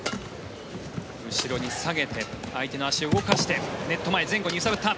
後ろに下げて相手の足を動かしてネット前、前後に揺さぶった。